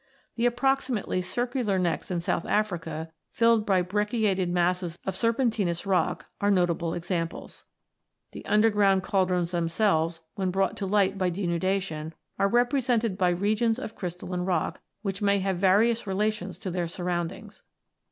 The approximately circular necks in South Africa, filled by brecciated masses of serpentinous rock, are notable examples. The underground cauldrons them selves, when brought to light by denudation, are represented by regions of crystalline rock, which may have various relations to their surroundings.